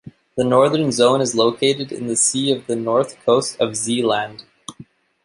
The northern zone is located in the sea off the north coast of Zeeland.